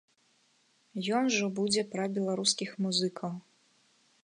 Ён ўжо будзе пра беларускіх музыкаў.